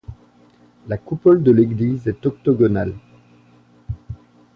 La coupole de l'église est octogonale.